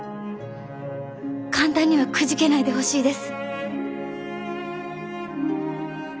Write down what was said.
簡単にはくじけないでほしいです。